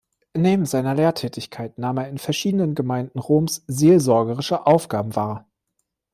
Neben seiner Lehrtätigkeit nahm er in verschiedenen Gemeinden Roms seelsorgerische Aufgaben wahr.